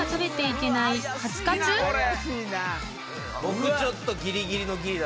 僕ちょっとギリギリのギリだと。